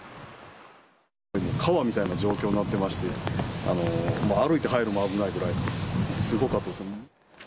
川みたいな状況になってまして、歩いて入るのも危ないくらい、すごかったです。